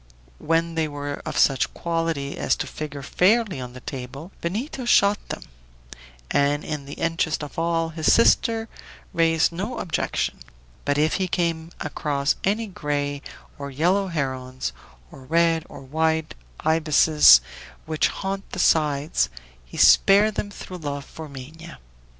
When they were of such quality as to figure fairly on the table, Benito shot them; and, in the interest of all, his sister raised no objection; but if he came across any gray or yellow herons, or red or white ibises, which haunt the sides, he spared them through love for Minha.